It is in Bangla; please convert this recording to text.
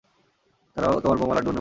তারাও তোমার বৌমা লাড্ডু বানিয়ে পাঠাইছে।